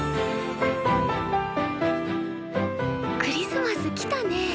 クリスマスきたね。